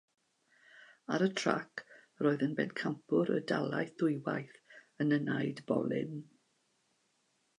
Ar y trac, roedd yn bencampwr y dalaith ddwywaith yn y naid bolyn.